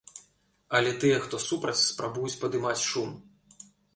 Але тыя, хто супраць, спрабуюць падымаць шум.